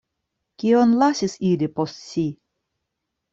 Kion lasis ili post si?